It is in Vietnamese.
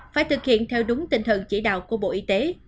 phải thực hiện theo đúng tinh thần chỉ đạo của bộ y tế